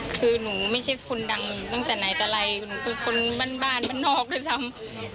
คือหนูไม่ใช่คนดังตั้งแต่ไหนแต่ไรหนูเป็นคนบ้านบ้านนอกด้วยซ้ำ